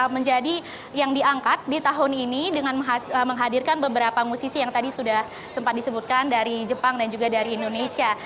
menjadi yang diangkat di tahun ini dengan menghadirkan beberapa musisi yang tadi sudah sempat disebutkan dari jepang dan juga dari indonesia